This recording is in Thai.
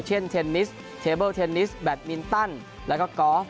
เช่นเทนมิสแบบมินตันแล้วก็กอฟ